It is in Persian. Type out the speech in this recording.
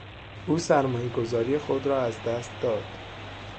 او سرمایهگذاری خود را از دست داد.